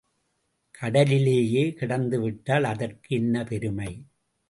கடலிலேயே கிடந்துவிட்டால் அதற்கு என்ன பெருமை?